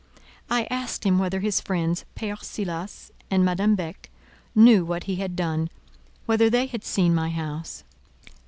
I asked him whether his friends, Père Silas and Madame Beck, knew what he had done—whether they had seen my house?